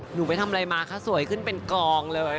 หนูไปทำอะไรมาคะสวยขึ้นเป็นกองเลย